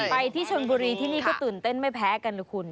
ไปที่ชนบุรีที่นี่ก็ตื่นเต้นไม่แพ้กันนะคุณ